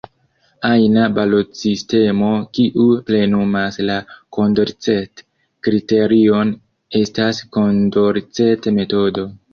Ajna balotsistemo kiu plenumas la Kondorcet-kriterion estas Kondorcet-metodo.